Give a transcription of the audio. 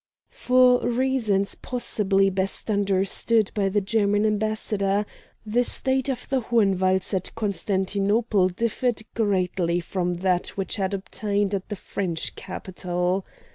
For reasons possibly best understood by the German ambassador, the state of the Hohenwalds at Constantinople differed greatly from that which had obtained at the French capital.